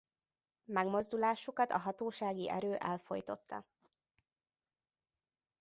Megmozdulásukat a hatósági erő elfojtotta.